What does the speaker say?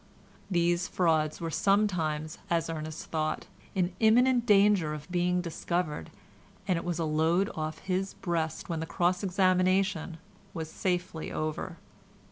These frauds were sometimes, as Ernest thought, in imminent danger of being discovered, and it was a load off his breast when the cross examination was safely over.